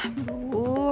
tidak ada apa apa